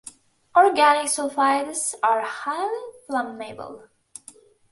Organic sulfides are highly flammable.